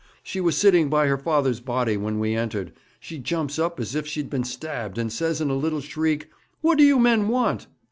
'She was sitting by her father's body when we entered. She jumps up as if she'd been stabbed, and says in a little shriek: "What do you men want?"